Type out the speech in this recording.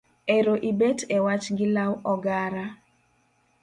Ero ibet e wach gi law ogara